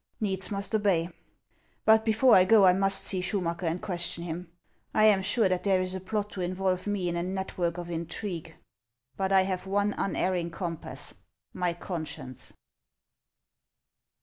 Needs must obey ; but before I go I must see Schu macker and question him. I am sure that there is a plot to involve me in a network of intrigue ; but I have one unerring compass, — my conscience."